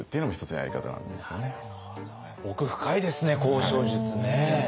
奥深いですね交渉術ね。